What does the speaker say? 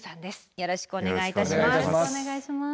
よろしくお願いします。